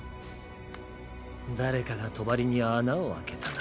誰かが帳に穴を開けたな？